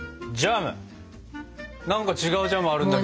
何か違うジャムあるんだけど。